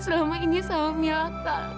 selama ini sama mila